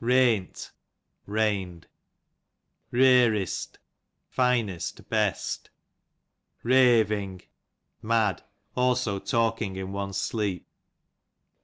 Reant, rained. Rearest. Jinest, best. Reaving, tnad; also talking in one's siee^.